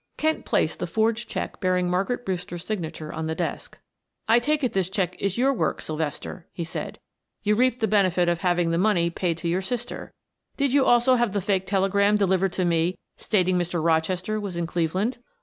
Kent placed the forged check bearing Margaret Brewster's signature on the desk. "I take it this check is your work, Sylvester," he said. "You reaped the benefit by having the money paid to your sister. Did you also have the fake telegram delivered to me stating Mr. Rochester was in Cleveland?"